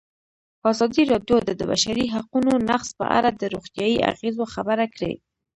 ازادي راډیو د د بشري حقونو نقض په اړه د روغتیایي اغېزو خبره کړې.